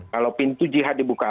kalau pintu jihad dibuka